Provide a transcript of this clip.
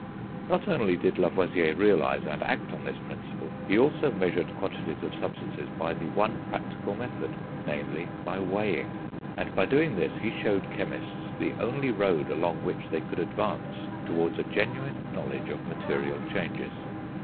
Not only did Lavoisier realise and act on this principle, he also measured quantities of substances by the one practical method, namely, by weighing; and by doing this he showed chemists the only road along which they could advance towards a genuine knowledge of material changes.